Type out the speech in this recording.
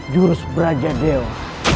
jurus braja dewa